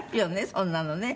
そんなのね。